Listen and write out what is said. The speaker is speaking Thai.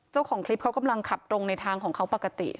เจ้าของคลิปเขากำลังขับตรงในทางของเขาปกติ